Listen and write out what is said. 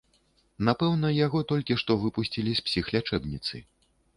Напэўна, яго толькі што выпусцілі з псіхлячэбніцы.